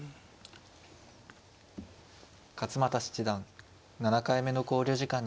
勝又七段７回目の考慮時間に入りました。